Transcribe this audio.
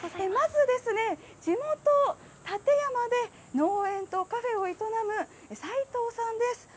まずですね、地元、館山で農園とカフェを営む齋藤さんです。